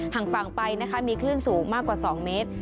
ห่างฝั่งไปนะคะมีคลื่นสูงมากกว่า๒เมตร